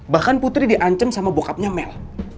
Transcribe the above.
bahkan putri diancam sama bokapnya mel